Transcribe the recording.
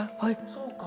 そうか。